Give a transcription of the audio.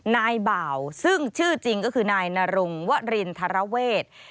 นายบ่าวซึ่งชื่อจริงก็คือนายนรงวรินทรเวท